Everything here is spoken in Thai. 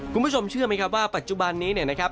คุณผู้ชมเชื่อมั้ยครับว่าปัจจุบันนี้นะครับ